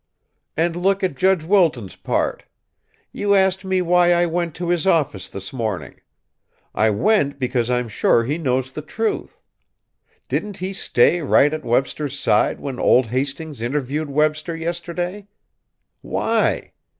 "And look at Judge Wilton's part. You asked me why I went to his office this morning. I went because I'm sure he knows the truth. Didn't he stay right at Webster's side when old Hastings interviewed Webster yesterday? Why?